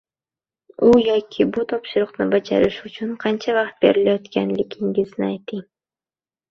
u yoki bu topshiriqni bajarishi uchun qancha vaqt belgilayotganligingizni ayting.